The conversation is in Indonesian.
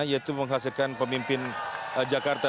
yaitu menghasilkan pemimpin jakarta